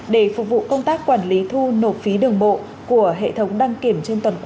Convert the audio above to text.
để phục vụ công tác quản lý thu nộp phí đường bộ của hệ thống đăng kiểm